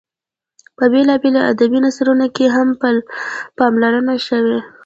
په بېلابېلو ادبي نثرونو کې هم پاملرنه شوې.